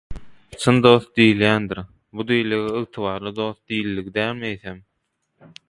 «Çyn dost» diýilýändir, bu diýildigi «Ygtybarly dost» diýildigi dälmi eýsem?